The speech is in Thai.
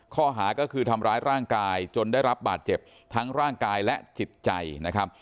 ข้อหาก็คือทำร้ายร่างกายจนได้รับบาดเจ็บทั้งร่างกายและจิตใจนะครับ